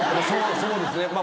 そうですね